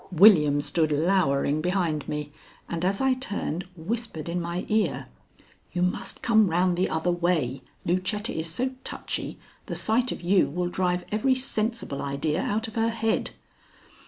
William stood lowering behind me and, as I turned, whispered in my ear: "You must come round the other way. Lucetta is so touchy, the sight of you will drive every sensible idea out of her head."